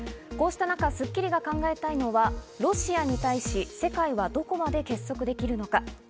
こうした中『スッキリ』が考えたいのがロシアに対し、世界はどこまで結束できるのか。